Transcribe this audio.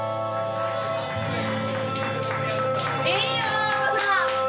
いいよ！